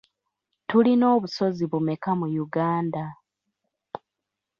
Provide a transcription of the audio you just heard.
Tulina obusozi bumeka mu Uganda?